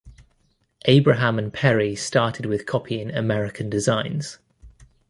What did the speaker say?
Abraham and Peri started with copying American designs.